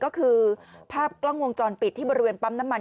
ก็คือภาพกล้องวงจรปิดที่บริเวณปั๊มน้ำมัน